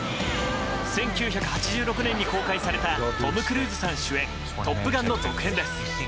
１９８６年に公開されたトム・クルーズさん主演「トップガン」の続編です。